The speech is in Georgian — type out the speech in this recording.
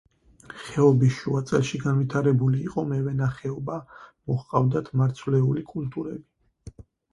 ხეობის შუაწელში განვითარებული იყო მევენახეობა, მოჰყავდათ მარცვლეული კულტურები.